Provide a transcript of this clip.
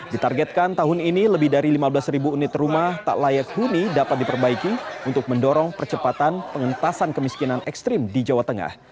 ditargetkan tahun ini lebih dari lima belas ribu unit rumah tak layak huni dapat diperbaiki untuk mendorong percepatan pengentasan kemiskinan ekstrim di jawa tengah